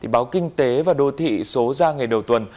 báo kinh tế và đô thị số ra ngày đầu tuần